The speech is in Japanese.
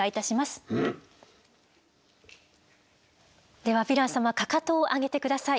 ではヴィラン様かかとを上げて下さい。